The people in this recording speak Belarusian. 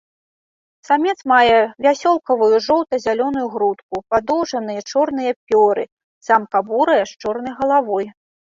Самец мае вясёлкавую жоўта-зялёную грудку, падоўжаныя чорныя пёры, самка бурая, з чорнай галавой.